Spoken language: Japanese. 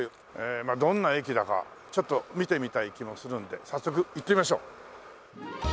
まあどんな駅だかちょっと見てみたい気もするんで早速行ってみましょう。